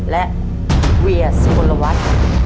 และเวียสโบราวัส